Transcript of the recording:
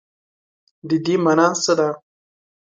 د دې مانا څه ده ؟